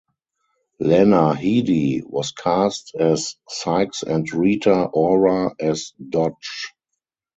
Lena Headey was cast as Sikes and Rita Ora as Dodge.